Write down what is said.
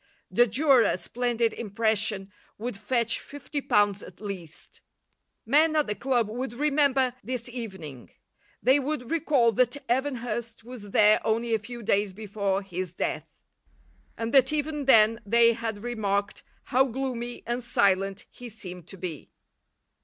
The Durer, a splendid impression, would fetch fifty pounds at least. Men at the club would remember this evening. They would recall that Evan Hurst was there only a few days before his death, and that even then they had remarked how gloomy and silent he seemed to be.